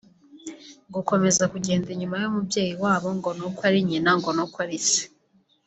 gukomeza kugenda inyuma y’umubeyi wayobye ngo ni uko ari Nyina ngo ni uko ari Se